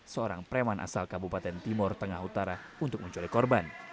seorang preman asal kabupaten timur tengah utara untuk menculik korban